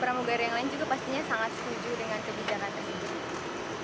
pramugari yang lain juga pastinya sangat setuju dengan kebijakan tersebut